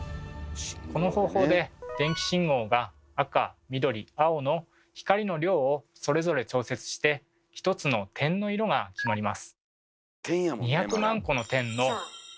この方法で電気信号が赤緑青の光の量をそれぞれ調節して１つの点の色が決まります。